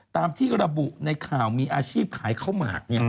ตามที่ระบุในข่าวมีอาชีพขายข้าวหมาก